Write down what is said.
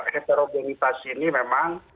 heterogenitas ini memang